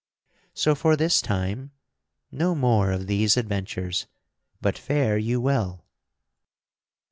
So, for this time, no more of these adventures, but fare you well.